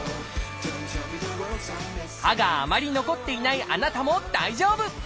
歯があまり残っていないあなたも大丈夫！